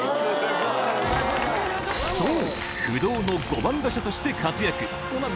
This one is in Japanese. そう！